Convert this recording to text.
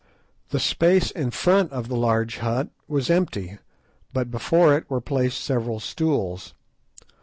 The space in front of the large hut was empty, but before it were placed several stools.